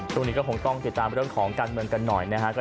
ช่วงนี้ก็คงต้องติดตามการกันเมืองกันหน่อยนะคะ